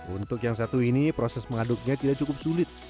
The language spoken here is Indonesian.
untuk yang satu ini proses mengaduknya tidak cukup sulit